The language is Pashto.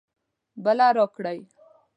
بله راکړئ